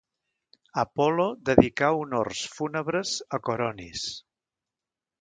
Apol·lo dedicà honors fúnebres a Coronis.